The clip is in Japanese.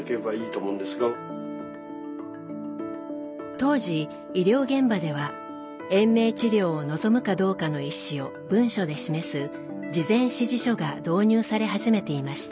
当時医療現場では延命治療を望むかどうかの意思を文書で示す事前指示書が導入され始めていました。